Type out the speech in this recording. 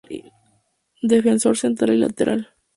Defensor Central y Lateral.